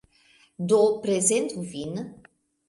Do, prezentu vin!